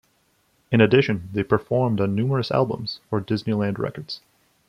In addition, they performed on numerous albums for Disneyland Records.